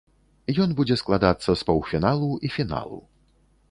Ён будзе складацца з паўфіналу і фіналу.